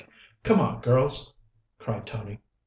Come on, girls!" cried Tony.